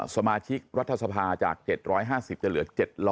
สมาชิกรัฐสภาจาก๗๕๐จะเหลือ๗๐๐